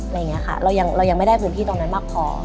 เรายังไม่ได้พื้นที่ตรงนั้นมากพอ